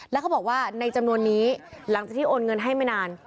แล้วเขาบอกว่าในจำนวนนี้หลังจากที่โอนเงินให้ไม่นาน